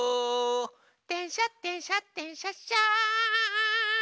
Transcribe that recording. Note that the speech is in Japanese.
「でんしゃでんしゃでんしゃっしゃ」